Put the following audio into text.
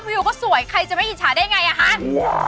วิวก็สวยใครจะไม่อิจฉาได้ไงอ่ะฮะ